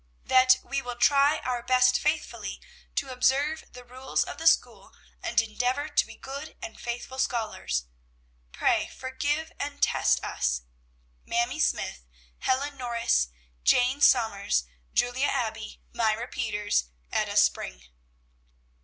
That we will try our best faithfully to observe the rules of the school, and endeavor to be good and faithful scholars. Pray forgive and test us! MAMIE SMYTHE, HELEN NORRIS, JANE SOMERS, JULIA ABBEY, MYRA PETERS, ETTA SPRING.